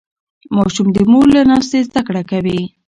ماشوم د مور له ناستې زده کړه کوي.